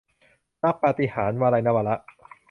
รักปาฏิหาริย์ - วลัย นวาระ